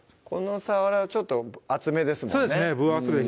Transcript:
このさわらちょっと厚めですもんね